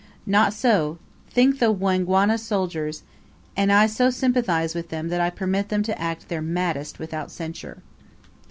Not so, think the Wangwana soldiers; and I so sympathize with them that I permit them to act their maddest without censure.